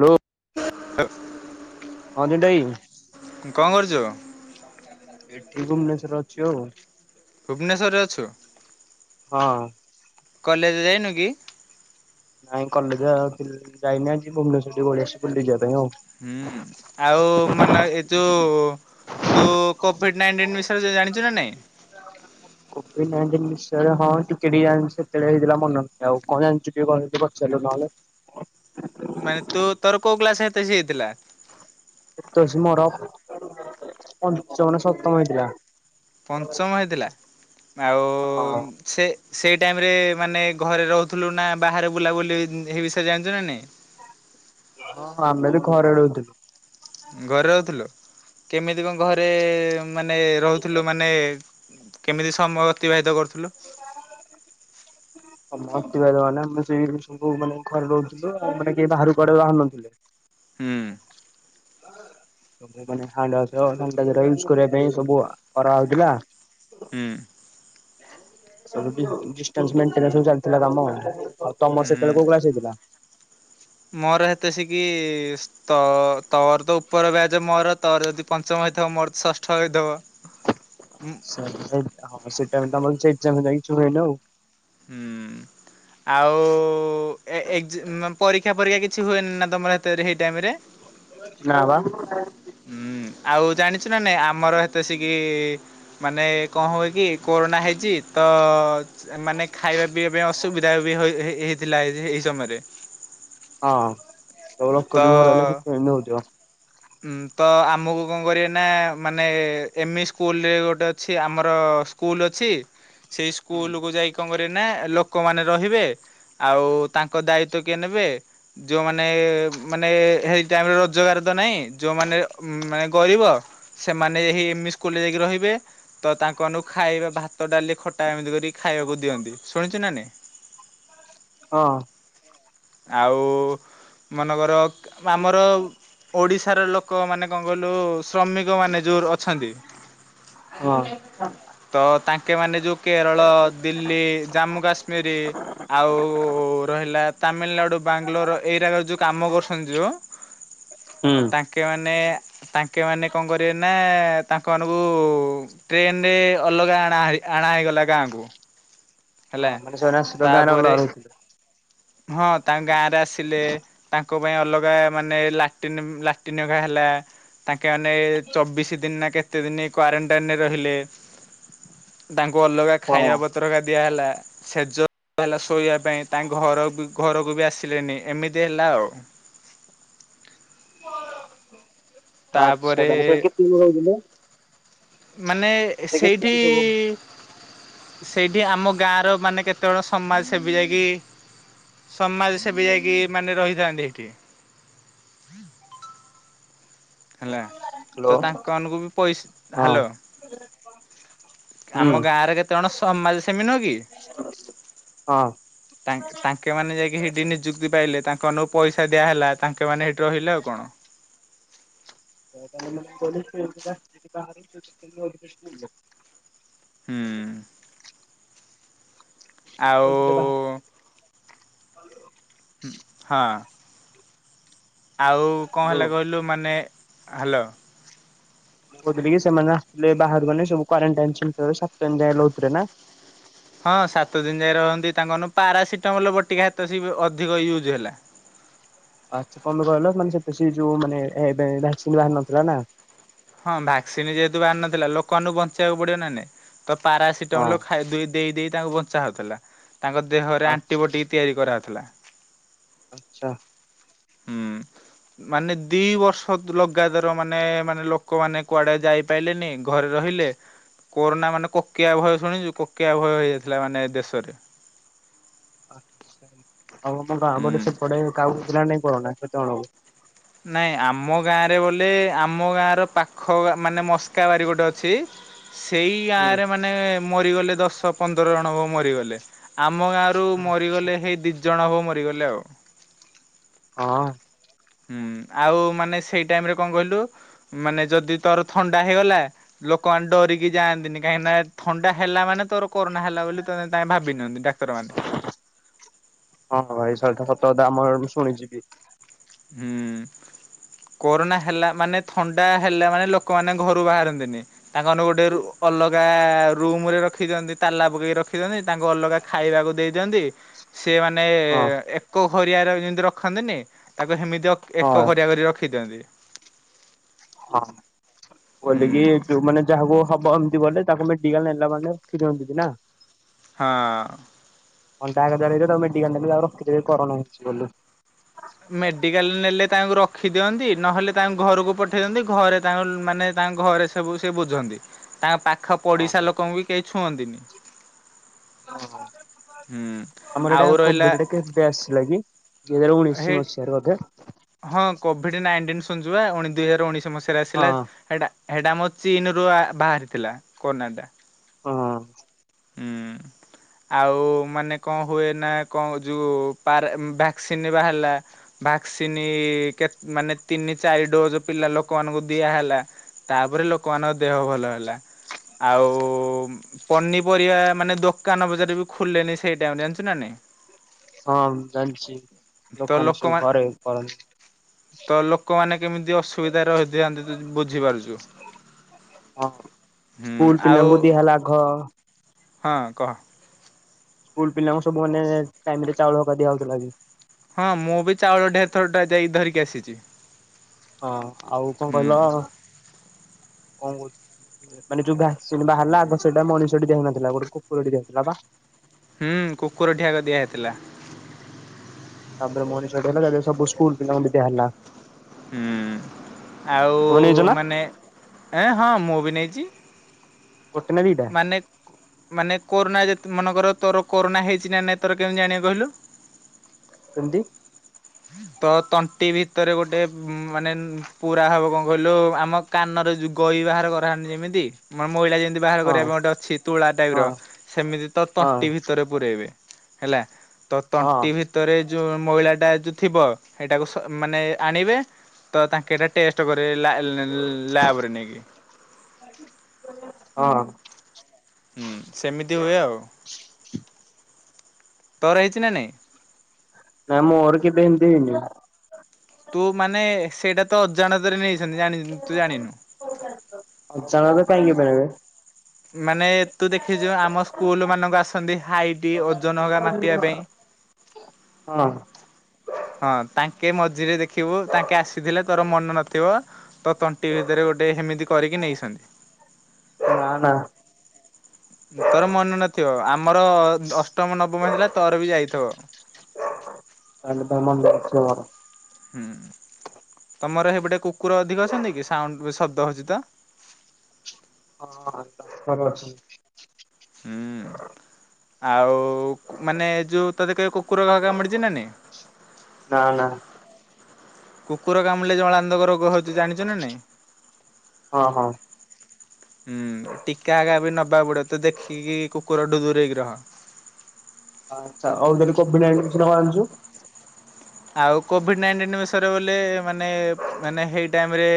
ଲୋ। ହ [inaudible] ହଁ ଦିଵ ଭାଇ। କଣ କରୁଛୁ? ଏଠି ଭୁବନେଶ୍ଵର ଅଛି ଆଉ। ଭୁବନେଶ୍ଵରରେ ଅଛୁ? ହଁ। କଲେଜ ଯାଇନୁ କି? ନାଇଁ କଲେଜ ଯାଇନଥିଲି ଯାଇନି ଆଜି ଭୁବନେଶ୍ୱର ପଳେଇ ଆସିଚି ବୁଲି ଯିବା ପାଇଁ ଆଉ। ହୁଁ ଆଉ ମାନେ ଏ ଯୋଉ ତୁ କୋଭିଡ ନାଇଣ୍ଟିନ ବିଷୟରେ ଜାଣିଛୁ ନା ନାଇଁ। ସେତେଳେ ହଁ ଟିକେ ଟିକେ ଜାଣି ସେତେଳେ ହେଇଥିଲା ମନ ନଥିଲା ଆଉ କଣ ଜାଣିଛୁ ଟିକେ ପଚାରିଲୁ ନହେଲେ। ହ [inaudible] ମାନେ ତୁ ତର କୋଉ କ୍ଲାସ ହେତେ ଏସିକି ହେଇଥିଲା। ଏତେଲସୀକି ମର ପଞ୍ଚମ ନା ସପ୍ତମ ହେଇଥିଲା ପଞ୍ଚମ ହେଇଥିଲା ଆଉ ହଁ। ସେ ସେଇ ଟାଇମରେ ମାନେ ଘରେ ରହୁଥିଲୁ ନା ବାହାରେ ବୁଲାବୁଲି ହୁଁ ହେଇ ବିଷୟରେ ଜାଣିଚ ନା ନାହିଁ। ହଁ ଆମେ ବି ଘରେ ରହୁଥିଲୁ। ଘରେ ରହୁଥିଲୁ କେମିତି କଣ ଘରେ ଏ ମାନେ ରହୁଥିଲୁ ମାନେ ଏ କେମିତି ସମୟ ଅତିବାହିତ କରୁଥୁଲୁ। [unintelligible] ବା ମାନେ ଆମେ ସେ ସବୁ ମାନେ ଘରେ ରହୁଥିଲୁ ମାନେ କେହି ବାହାରକୁ କୁଆଡେ ବାହାରୁ ନଥିଲେ। ହୁଁ। ସବୁ ମନେ ହାର୍ଡ କରିବା ୟୁଜ ପାଇଁ ସବୁ କରା ହଉଥିଲା। ହୁଁ। [unintelligible] ଡିଷ୍ଟାନ୍ସ ମେଣ୍ଟେନ ରେ ସବୁ ଚାଲିଥିଲା କାମ। ଆଉ ତମର ସେତେବେଳେ ହୁଁ କୋଉ କ୍ଲାସ ହେଇଥିଲା? ମୋର ହେତେ ସିକିି ଇସ୍ ତ ତୋର ତ ଉପର ବ୍ୟାଜ ମୋର ତୋର ଯଦି ପଞ୍ଚମ ହେଇଥିବ ମୋର ତ ଷଷ୍ଠ ହେଇଥିବ। ହୁଁ। [unintelligible] ହୁଁ ଉଁ। ଆଉ ଏ-ଏ-ଏକ୍ଜ ପରୀକ୍ଷା ପରୀକ୍ଷା କିଛି ହୁଏନି ନା ତମର ହେତ ହେଇ ଟାଇମରେ। ନା ବା। ହୁଁ। ଆଉ ଜାଣିଛୁ ନା ନାଇଁ ଆମର ହେତେ ସିକିି ମାନେ କଣ ହୁଏ କି କୋରୋନା ହେଇଚି। ତ ଅ ମାନେ ଖାଇବା ପିଇବା ପାଇଁ ଅସୁବିଧା ବି ହୋଇ ହେଇଥିଲା ଏଇ ସମୟରେ। ହଁ [unintelligible] ହୁଁ ତ ଆମକୁ କଣ କରିବେ ନା ମାନେ ଏମି ସ୍କୁଲରେ ଗୋଟେ ଅଛି ଆମର ସ୍କୁଲ ଅଛି ସେଇ ସ୍କୁଲ କୁ ଯାଇ କଣ କରିଏ ନା ଲୋକ ମାନେ ରହିବେ ଆଉ ତାଙ୍କ ଦାୟିତ୍ୱ କିଏ ନେବେ ଯୋଉମାନେ ନେ ମାନେ ହେଇ ଟାଇମ୍ ରେ ରୋଜଗାର ତ ନହିଁ ଯୋଉମାନେ ମନେ ଗରିବ ସେମ ମାନେ ହେଇ ଏମି ସ୍କୁଲରେ ଯାଇକି ରହିବେ ତ ତାଙ୍କମାନଙ୍କୁ ଖାଇବା ଭାତ ଡାଲି ଖଟା ଏମିତି କରି ଖାଇବାକୁ ଦିଅନ୍ତି ଶୁଣିଛୁ ନା ନାଇ। ହଁ। ଆଉ ମନେକର ଆମର ଓଡିଶା ସାର ଲୋକ ମାନେ କଣ କହିଲୁ ଶ୍ରମିକ ମାନେ ଜୋର ଅଛନ୍ତି। ହଁ। ତ ତାଙ୍କେ ମାନେ ଯୋଉ କେରଳ, ଦିଲ୍ଲୀ, ଜାମ୍ମୁ, କାଶ୍ମୀରି ଆଉ ରହିଲା ତାମିଲନାଡୁ, ବାଙ୍ଗଲୋର ଏଇରାକ ଯୋଉ କାମ କରୁସନ୍ତି ଯୋଉ ହୁଁ ତାଙ୍କେ ମାନେ ତାଙ୍କେ ମାନେ କଣ କରିବେ ନାଁ ତାଙ୍କ ମାନଙ୍କୁ ଟ୍ରେନ୍ ରେ ଅଲଗା ଆଣା ହଏ। ଆଣା ହେଇଗଲା ଗାଁକୁ। ହେଲା ହଁ ମାନେ ସେରା [unintelligible] ଅଲଗା ତାପରେ ରହୁଥୁଲେ। ହଁ ତାଙ୍କ ଗାଁରେ ଆସିଲେ ତାଙ୍କ ପାଇଁ ଅଲଗା ମାନେ ଲାଟିନ୍ ଲାଟିନ୍ ଅକା ହେଲା। ତାଙ୍କେ ମାନେ ଚବିଶି ଦିନ ନାଁ କେତେ ଦିନି କ୍ଵାରେଣ୍ଟାଇନ୍ ରେ ରହିଲେ। [inaudible] ତାଙ୍କୁ ଅଲଗା ହଁ ଖାଇବା ପତ୍ରକା ଦିଆ ହେଲା ସେଜ ହେଲା ଶୋଇବା ପାଇଁ ତାଙ୍କ ଘର ବି ଘରକୁ ବି ଆସିଲେନି ଏମିତି ହେଲା ଆଉ। [inaudible] ଆଚ୍ଛା ତାପରେ ତାହାଲେ ସେ କେତେ ଦି ରହିଥିଲେ? ମାନେ ଏ ସେଇଠି ସେଇଠି ଆମ ଗାଁର ମାନେ କେତେ ଜଣ ସମାଜସେବୀ ଯାଇକି ସମାଜ ସେବି ଯାଇକି ମାନେ ରହିଥାନ୍ତି ହେଠି। ହେଲା ହ୍ୟାଲୋ ତ ହଁ ତାଙ୍କ ଆନଙ୍କୁ ବି ପଇସ୍ ହାଲୋ। ହୁଁ ଆମ ଗାଁରେ କେତେ ଅଣ ସମାଜ ସେମି ନୁହଁ କି? ହଁ। ତାଙ୍କେ ତାଙ୍କେ ମାନେ ଯାଇକି ହେଠି ନିଯୁକ୍ତି ପାଇଲେ ତାଙ୍କ ନୋ ପଇସା ଦିଆ ହେଲା ତାଙ୍କେ ମାନେ ରହିଲେ ଆଉ ତ କଣ। ତାଙ୍କେମାନେ [unintelligible] [unintelligible] ସ୍କୁଲରେ। ହୁଁ। ଆଉ କୋହୁଥୁଲେ ବାହା ହୁଁ ହଁ। ଆଉ କଁ ହ୍ୟାଲୋ। ହେଲା କହିଲୁ ମାନେ ହାଲୋ। ମୁଁ କୋହୁଥୁଲି କି ସେମାନେ ଆସୁଥୁଲେ ବାହାରୁ ମାନେ ସବୁ କ୍ୱାରେଣ୍ଟାଇନ୍ ସେଣ୍ଟର୍ ରେ ସାତ ଦିନ ଯାଏଁ ରହୁଥୁଲେ ନାଁ? ହଁ ସାତ ଦିନ ଯାଏଁ ରହନ୍ତି ତାଙ୍କଆନୁ ପାରାସିଟାମଲ୍ ବଟିକା ହେତ ସିଏ ବି ଅଧିକ ୟୁଜ୍ ହେଲା। ଆଚ୍ଛା କମାଇଁ କହିଲ ମାନେ ସେତ ସିଏ ଯୋଉ ମାନେ ଏଡ଼୍ ଭାକ୍ସିନ୍ ବାହାର ନଥିଲା ନାଁ। ହଁ ଭ୍ୟାକ୍ସିନ୍ ଯେହେତୁ ବାହାରିନଥିଲା ଲୋକମାନଙ୍କୁ ବଞ୍ଚେଇବାକୁ ପଡ଼ିବ ନାଁ ନାଇଁ? ତ ହଁ। ପାରାସିଟମଲ୍ ଖା ଦେଇ ଦେଇ ତାଙ୍କୁ ବଞ୍ଚା ହଉଥୁଲା। ତାଙ୍କ ଦେହରେ ଆଚ୍ଛା ଆଣ୍ଟିବଟିକ୍ ତିଆରି କରାହଉଥୁଲା। ଆଚ୍ଛା। ହୁଁ। ମାନେ ଦି ବର୍ଷ ଲଗାତାର ମାନେ ମାନେ ଲୋକମାନେ କୁଆଡ଼େ ଯାଇପାଇଲେନେଇ ଘରେ ର ଅହିଲେ କୋରୋନା ମାନେ କୋକିଆ ଭୟ ଶୁଣିଚୁ କୋକିଆ ଭୟ ହେଇଯାଇଥିଲା ମାନେ ଏ ଦେଶରେ। [unintelligible] ଆଉ ଆମଠିସି ପଡ଼େ କାହାକୁ ହେଇଥିଲା ନାଇଁ କରୋନା ସେତଅଳୁକୁ? ନାଇଁ ଆମ ଗାଁରେ ବୋଲେ ଆମ ଗାଁର ପାଖ ମାନେ ମସ୍କା ବାରି ଗୋଟେ ଅଛି। ସେଇ ହୁଁ ଗାଁରେ ମାନେ ମରିଗଲେ ଦଶ ପନ୍ଦର ଜଣ ବ ମରିଗଲେ ଆ ଆମ ଗାଁରୁ ଆଚ୍ଛା ମରିଗଲେ ହେଇ ଦିଜଣ ବ ମରିଗଲେ ଆଉ। ହଁ। ହୁଁ ଆଉ ମାନେ ସେଇ ଟାଇମ୍ ରେ କଁ କହିଲୁ ମାନେ ଯଦି ତର ଥଣ୍ଡା ହେଇଗଲା ଲୋକମାନେ ଡରିକି ଯାଆନ୍ତିନି କାହିଁକି ନା ଥଣ୍ଡା ହେଲା ମାନେ ତର କରୋନା ହେଲା ବୋଲି ତତେ ତାଙ୍କେ ଭାବିି ନିଅନ୍ତି ଡାକ୍ତରମାନେ। ହଁ ଭାଇ ସ ଏଟା ସତ କଥା ଆମ ମୁଁ ଶୁଣିଚି ବି। ହୁଁ। କୋରୋନା ହେଲା ମାନେ ଥଣ୍ଡା ହେଲା ମାନେ ଲୋକମାନେ ଘରୁ ବାହାରନ୍ତିନି ତାଙ୍କାନୁ ଗୋଟେ ରୋ ଅଲଗା ରୁମ୍ ରେ ରଖି ଦିଅନ୍ତି ତାଲା ପକେଇକି ରଖି ଦିଅନ୍ତି ତାଙ୍କୁ ଅଲଗା ଖାଇବାକୁ ଦେଇ ଦିଅନ୍ତି। ସିଏ ମାନେ ହଁ ଏକ ଘରିଆରେ ଯେମିତି ରଖନ୍ତିନି ଇଏ ହେମିତି ଅ ଏକ ହଁ ଘରିଆ କରି ରଖି ଦିଅନ୍ତି। ହଁ ହୁଁ କୋଇଲିକି ଯୋଉ ମାନେ ଯାହାକୁ ହବ ଗଲେ ତାକୁ ନେଇ ଡି ଏଲ ନେଲା ମାନେ ଠକି ଦିଅନ୍ତି ନା? ହଁ। ଅଣ୍ଟା [unintelligible] ଆଉ ରଖିଦେବେ କରନା ହେଇଚି ବୋଲି। ମେଡିକାଲ ନେଲେ ତାଙ୍କୁ ରଖି ଦିଅନ୍ତି, ନହେଲେ ତାଙ୍କୁ ଘରକୁ ପଠେଇ ଦିଅନ୍ତି ଘରେ ତାଙ୍କ ମାନେ ତାଙ୍କ ଘରେ ସବୁ ସେ ବୁଝନ୍ତି, ତାଙ୍କ ପାଖ ହଁ ପଡିଶା ଲୋକଙ୍କୁ ବି କେହି ଛୁଅନ୍ତିିନି। ଓ ହୋ, ଆମର ଏଇଟା ଆଉ ରହିଲା କୋବିଡ ଟା କେସ ଟା ଆସିଥିଲା କି? ଗେର ହେ ଉଣେଇଶି ମସିହାର ବୋଧେ। ହଁ କୋଭିଡ଼୍ ନାଇଣ୍ଟିନ୍ ଶୁଞ୍ଚି ବା ଦୁଇ ହଜାର ଉଣେଇଶ ମସିହାରେ ଆସିଲା ହଁ ସେଇଟା ସେଇଟା ମୋ ଚୀନ ରୁ ଆ ବାହାରିଥିଲା କୋନାଡା। ହଁ। ହୁଁ। ଆଉ ମାନେ କଣ ହୁଏ ନା କଣ ଯୋଉ ପାର ଭକ୍ସିନ ବାହାରିଲା। ତିନି କେ ମାନେ ତିନି ଚାରି ଡୋଜ ପିଲା ଲୋକମାନଙ୍କୁ ଦିଆହେଲା ତାପରେ ଲୋକମା ଙ୍କ ଦେହ ଭଲ ହେଲା। ଆଉ ପନିପରିବା ମାନେ ଦୋକାନ ବଜାର ବି ଖୋଲେନି ସେଇ ଟାଇମ ଜାଣିଚୁ ନା ନାଇ। ହଁ ଜାଣିଚି ତ ଦୋକାନ ସବୁ ଲୋକମାନେ ଘରେ କରନ୍ତି। ତ ଲୋକମାନେ କେମିତି ଅସୁବିଧାରେ ରହିଥାନ୍ତି ତୁ ବୁଝିପାରୁଚୁ। ହଁ ସ୍କୁୁଲ ପିଲାଙ୍କୁ ଦିଆହେଲା ଘ ହଁ କହ। ସ୍କୁଲ ପିଲାଙ୍କୁ ସବୁ ମାନେ ଟାଇମ ରେ ଚାଉଳ ହକା ଦିଆ ହଉଥିଲା କି? ହଁ ମୁଁ ବି ଚାଉଳ ଢେରଥରଟା ଯାଇ ଧରିକି ଆସିଚି। ହଁ ଆଉ କଣ କହିଲ? କଣ କହୁ ମାନେ ଯୋଉ ଭାକ୍ସିନ୍ ବାହାରିଲା ଆଗ ସେଇଟା ମଣିଷଟି ଦିଆ ହଉ ନଥିଲା ଗୋଟେ କୁକୁରଟି ଦିଆ ହଉଥିଲା ବା। ହୁଁ କୁକୁର ଢିଆକି ଆଗ ଦିଆ ହେଇଥିଲା। ତାପରେ ମଣିଷ ତାପରେ ସବୁ ସ୍କୁଲ ପିଲାଙ୍କୁ ବି ଦିଆ ହେଲା। ହୁଁ ଆଉ ତମେ ନେଇଛ ନା ମାନେ ଏ ହଁ ମୁଁ ବି ନେଇଚି। ଗୋଟେ ନା ଦିଇଟା? ମାନେ କୋରୋନା ଯେ ମନେକର ତୋର କୋରୋନା ହେଇଚି ନା ନାଇଁ ତୋର କେମିତି ଜାଣିବା କହିଲୁ? କେମତି? ତ ତଣ୍ଟି ଭିତରେ ଗୋଟେ ମାନେ ପୁରା ହବ କଣ କହିଲୁ ଆମ କାନ ଯୁ ଗାଇ ବାହାର କରା ହୁଏ ଯେମିତି ମାନେ ମଇଳା ଯେମତି ବାହାର ହଁ କରିବା ପାଇଁ ଗୋଟେ ଅଛି ତୁଳା ଟାଇପ ର ହଁ ସେମିତି ତ ତଣ୍ଟି ହଁ ଭିତରେ ପୂୁରେଇବେ। ହେଲା ତ ହଁ ତଣ୍ଟି ଭିତରେ ଯୋଉ ମଇଳା ଟା ଯୋଉ ଥିବ ସେଇଟାକୁ ମାନେ ଆଣିବେ ତ ତାଙ୍କେ ଏଇଟା ଟେଷ୍ଟ କରେଇବେ। ଲ ଲାଇ ଲାବରେ ନେଇକି। ହଁ ହୁଁ ସେମିତି ହୁଏ ଆଉ। ତର ହେଇଚି ନା ନାଇଁ? ମ ମୋର କେବେ ହେମିତି ହେଇନି। ତୁ ମାନେ ସେଇଟା ତ ଅଜାଣତରେ ନେଇଛନ୍ତି ନା ତୁ ଜାଣିନୁ। ଅ ଚାନକ କାଇଁକି ନେବେ? ମାନେ ଏ ତୁ ଦେଖିଚୁ ଆମ ସ୍କୁଲ ମାନଙ୍କ ଆସନ୍ତି ହାଇଟି ଓଜନ ହଗ ମାପିବା ପାଇଁ। ହଁ। ହଁ ତାଙ୍କେ ମଝିରେ ଦେଖିବୁ ତାଙ୍କେ ଆସିଥିଲେ ତୋର ମନ ନଥିବ। ତ ତଣ୍ଟି ଭିତରେ ଗୋଟେ ସେମିତି କରିକି ନେଇଛନ୍ତି। ନା ନା ତୋର ମନେ ନଥିବ ଆମର ଅଷ୍ଟମ ନବମ ହେଇଥିଲା ତୋର ବି ଯାଇଥିବ। ତାହେଲେ ମୋର ମନେ ନଥିବ ମୋର। ହୁଁ। ତମର ସେପଟେ କୁକୁର ଅଧିକ ଅଛନ୍ତି କି ସାଉଣ୍ଡ ଶବ୍ଦ ହଉଚି ତ। ହଁ [unintelligible] ଅଛି ହୁଁ। ଆଉ ମାନେ ଯୋଉ ତୋତେ କେବେ କୁକୁର କା କାମୁଡିଚି ନା ନାଇ? ନା ନା କୁକୁର କାମୁଡ଼ିଲେ ଜଳାନ୍ତକ ରୋଗ ହଉଚି ଜାଣିଚୁ ନା ନାଇଁ? ହଁ ହଁ। ହୁଁ, ଟୀକା ହେକା ବି ନବାକୁ ପଡିବ ତ ଦେଖିକି କୁକୁର ଡୁ ଦୂରେଇକି ରହ। ଆଚ୍ଛା ଆଉ ଯଦି କୋବି ଫୋଭି ଆଣିଲୁନି କିସି ନହ ଆଣିଚୁ। ଆଉ କୋବି [unintelligible] ବୋଲେ ମାନେ ମାନେ ହେଇ ଟାଇମ୍ ରେ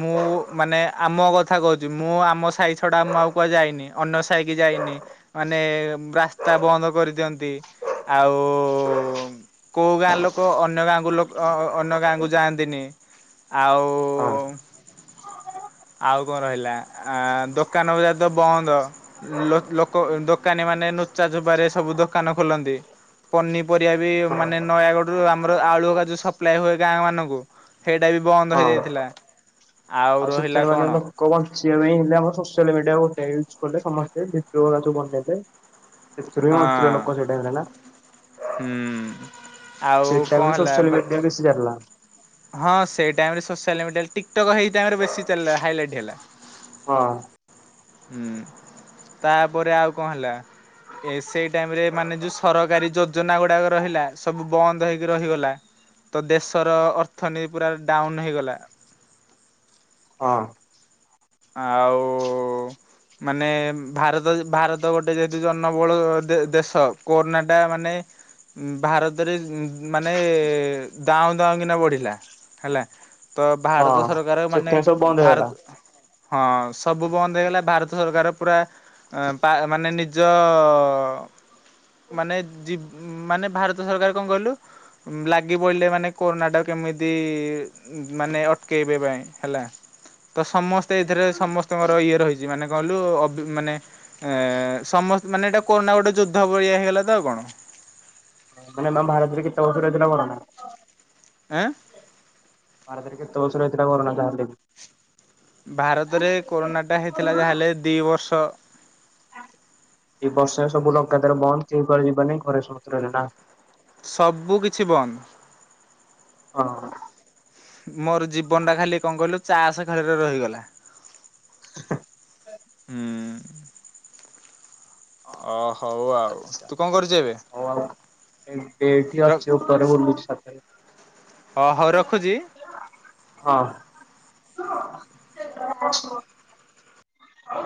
ମୁଁ ମାନେ ଆମ କଥା କହୁଚି ମୁଁ ଆମ ସାଇ ଛଡ଼ା ମୁଁ ଆଉ କୁଆ ଯାଇନି। ଅନ ସାଇକି ଯାଇନି ମାନେ ରାସ୍ତା ବନ୍ଦ କରିଦିଅନ୍ତି। ଆଉ କୋଉ ଗାଁ ଲୋକ ଅନ୍ୟ ଗାଁକୁ ଲୋକ ଅ, ଅନ୍ୟ ଗାଁକୁ ଯାଆନ୍ତିନି। ଆଉ ହଁ ଆଉ କଣ ରହିଲା। ଆ, ଦୋକାନ ବଜାର ତ ବନ୍ଦ ଲୋ-ଲୋକ ଅଁ, ଦୋକାନୀ ମା ମାନେ ନୁଚା ଛୁବାରେ ସବୁ ଦୋକାନ ଖୋଲନ୍ତି। ପନିପରିବା ବି ହଁ। ମାନେ ନୟାଗଡରୁ ଆମର ଆଳୁ ଏକା ଯୋଉ ସପ୍ଲାାଏ ହୁଏ ଗାଁ ମାନଙ୍କୁ? ସେଇଟା ବି ବନ୍ଦ ହଁ ହେଇଯାଇଥିଲା। ଆଉ ରହିଲା ମାନେ କଣ ଲୋକ ବଞ୍ଚି ଞ୍ଚିବା ପାଇଁ ହେଲେ ଆମ ସୋସିଆଲ ମିଡିଆ ଗୋଟେ ୟୁଜ୍ କଲେ ସମସ୍ତେ ଭିଡିଓ ଗୁଡା ସବୁ ବନେଇଲେ। ସେଥିରୁ ବି ହଁ ବଞ୍ଚିଲେ ଲୋକ ସେଇ ଟାଇମ୍ ରେ ନା। ହୁଁ। ଆଉ ସେ କଣ ଟାଇମ୍ ହେଲା ସୋସିଆଲ ମା ମିଡିଆ ବେଶି ଚାଲିଲା। ହଁ ସେଇ ଟାଇମ୍ ରେ ସୋସିଆଲ ମିଡିଆ ଟିକଟକ୍ ହେଇ ଟାଇମ୍ ରେ ବେଶି ଚାଲିଲା ହାଇଲାଇଟ୍ ହେଲା। ହଁ। ହୁଁ, ତାପରେ ଆଉ କଣ ହେଲା? ଏ ସେଇ ଟାଇମ୍ ରେ ମାନେ ଯୋଉ ସରକାରୀ ଯୋଜନା ଗୁଡାକ ରହିଲା ସବୁ ବନ୍ଦ ହେଇକି ରହିଗଲା। ତ ଦେଶର ଅର୍ଥନୀତି ପୁରା ଡାଉନ୍ ହୋଇଗଲା। ହଁ। ଆଉ ମାନେ ଭାରତ ଭାରତ ଗୋଟେ ଯେହେତୁ ଜନବହୁଳ ଦେ-ଦେଶ କୋରୋନା ଟା ମାନେ ନେ ଉଁ, ଭାରତରେ ମାନେ ଉଁ, ଦାଉଁ ଦାଉଁ କିନା ବଢିଲା ହେଲା। ତ ଭାରତ ହଁ। ସରକାର ଏ ମାନେ ସେଥିପାଇଁ ସବୁ ବନ୍ଦ ହେଇଗଲା ଭାରତ ହଁ ସବୁ ବନ୍ଦ ହେଇଗଲା। ଭାରତ ସରକାର ପୁରା ଅଁ, ପା- ମାନେ ନିଜ ମାନେ ଜିବ ମାନେ ଭାରତ ସରକାର କଣ କହିଲୁ ଉଁ, ଲାଗି ପଇଲେ ମାନେ କୋରୋନା ଟା କେ କେମିତି ଉଁ, ମାନେ ଅଟକେଇ ବେ ପାଇଁ ହେଲା। ତ ସମସ ସେଇଥିରେ ସମସ୍ତଙ୍କର ଇଏ ରହିଚି ମାନେ କହିଲୁ ଅବି ମାନେ ଏଁ, ସମସ୍ତେ ମାନେ ଏଟା କୋର ଗୋଟେ ଯୁଦ୍ଧ ବଳିଆ ହେଇଗଲା ତ ଆଉ କଣ। ମାନେ ମା ଭହାରତରେ କେତ ବର୍ଷ [unintelligible] ଏଁ? ଭାରତରେ କେତେ ବର୍ଷ ରହିଥିଲା କୋରନା ଯାଆନ୍ତା କି। ଭାରତରେ କୋରୋନା ଟା ହେଇଥିଲା ଯାହା ହେଲେ ଦି ବର୍ଷ। ଏ ବର୍ଷା ସବୁ ଲଗାତାର ବନ୍ଦ କିଏ କୁଆଡେ ଯିବାନି ଘରେ [unintelligible] ସବୁ କିଛି ବନ୍ଦ। ହଁ। ମୋର ଜୀବନ ଟା ଖାଲି କଣ କହିଲୁ ଚାଷ ଖେଳରେ ରହିଗଲା। ହଁ। ହୁଁ। ଅଃ। ଆଚ୍ଛା ହଉ ଆଉ ଏଇଟିି ଅଛି ଉପରେ ବଲୁଛି ଛାତରେ [inaudible] ଓ ହଉ ରଖୁଚି। ହଁ।